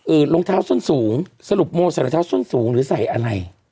รองเท้าส้นสูงสรุปโมใส่รองเท้าส้นสูงหรือใส่อะไร